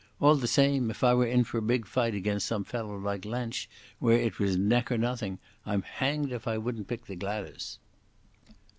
All the same, if I were in for a big fight against some fellow like Lensch, where it was neck or nothing, I'm hanged if I wouldn't pick the Gladas."